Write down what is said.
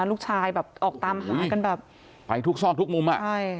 ลูกชายแบบออกตามหากันแบบไปทุกซอกทุกมุมอ่ะใช่